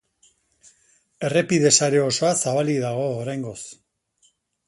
Errepide sare osoa zabalik dago oraingoz.